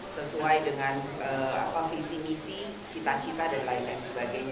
sesuai dengan visi misi cita cita dan lain lain sebagainya